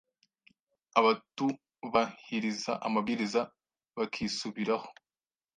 abatubahiriza amabwiriza bakisubiraho